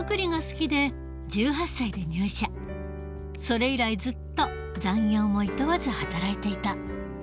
それ以来ずっと残業もいとわず働いていた。